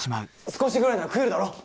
少しぐらいなら食えるだろ？